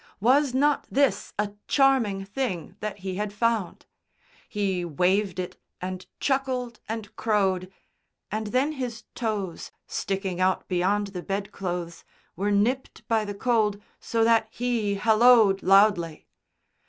Was not this a charming thing that he had found? He waved it and chuckled and crowed, and then his toes, sticking out beyond the bed clothes, were nipped by the cold so that he halloed loudly.